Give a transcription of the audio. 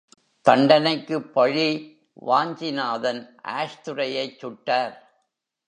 தண்டனைக்குப் பழி வாஞ்சிநாதன் ஆஷ்துரையைச் சுட்டார்.